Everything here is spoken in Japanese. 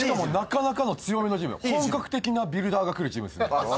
本格的なビルダーが来るジムですね。